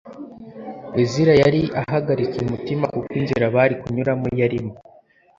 Ezira yari ahagaritse umutima kuko inzira bari kunyuramo yarimo